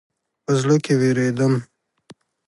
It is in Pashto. په زړه کې وېرېدم.